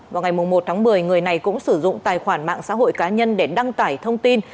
vào ngày một tháng một mươi người này cũng sử dụng tài khoản mạng xã hội cá nhân để đăng tải thông tin